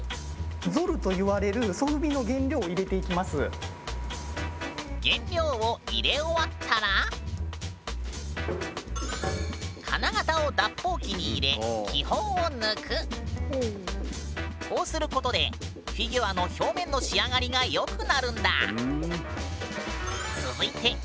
ゾルと言われる原料を入れ終わったら金型をこうすることでフィギュアの表面の仕上がりがよくなるんだ。